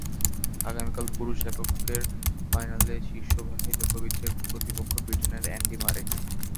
আগামীকালের পুরুষ এককের ফাইনালে শীর্ষ বাছাই জোকোভিচের প্রতিপক্ষ ব্রিটেনের অ্যান্ডি মারে।